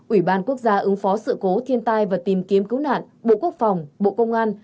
ủy ban quốc gia ứng phó sự cố thiên tai và tìm kiếm cứu nạn bộ quốc phòng bộ công an